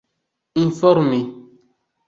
informi